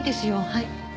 はい。